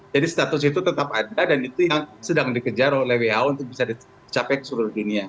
jadi status itu tetap ada dan itu yang sedang dikejar oleh who untuk bisa dicapai ke seluruh dunia